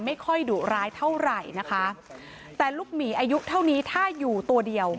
ไม่ค่อยดุร้ายเท่าไหร่นะคะแต่ลูกหมีอายุเท่านี้ถ้าอยู่ตัวเดียว